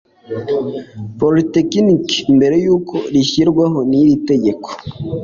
polytechnic mbere y uko rishyirwaho n iritegeko